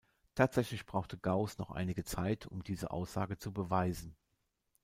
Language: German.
Tatsächlich brauchte Gauß noch einige Zeit, um diese Aussage zu beweisen.